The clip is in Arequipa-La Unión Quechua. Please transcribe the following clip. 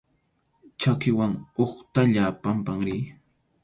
Chakiwan utqaylla pampan riy.